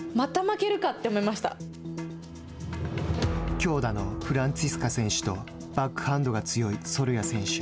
強打のフランツィスカ選手とバックハンドが強いソルヤ選手。